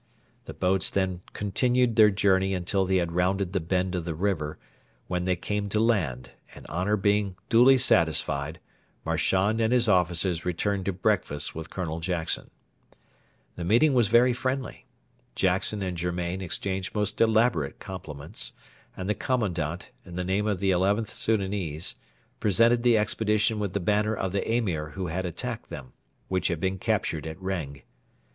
The boats then continued their journey until they had rounded the bend of the river, when they came to land, and, honour being duly satisfied, Marchand and his officers returned to breakfast with Colonel Jackson. The meeting was very friendly. Jackson and Germain exchanged most elaborate compliments, and the commandant, in the name of the XIth Soudanese, presented the expedition with the banner of the Emir who had attacked them, which had been captured at Reng.